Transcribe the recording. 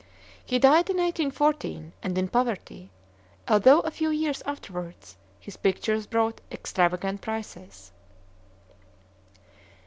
He died in 1814, and in poverty, although a few years afterward his pictures brought extravagant prices.